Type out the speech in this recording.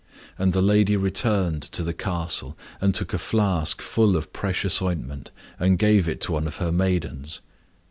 And the lady returned to the castle, and took a flask full of precious ointment and gave it to one of her maidens.